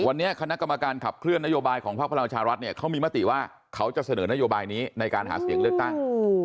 วันนี้คณะกรรมการขับเคลื่อนนโยบายของภาคพลังประชารัฐเนี่ยเขามีมติว่าเขาจะเสนอนโยบายนี้ในการหาเสียงเลือกตั้ง